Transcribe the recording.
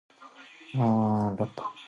هوا د افغانانو د ژوند طرز اغېزمنوي.